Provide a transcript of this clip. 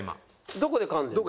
どこで噛んでるの？